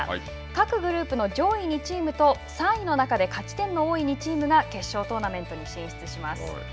各グループの上位２チームと３位の中で勝ち点の多い２チームが決勝トーナメントに進出します。